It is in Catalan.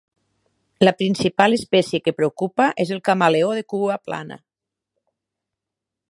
La principal espècie que preocupa és el camaleó de cua plana.